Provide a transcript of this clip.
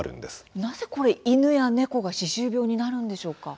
なぜ犬や猫が歯周病になるんでしょうか？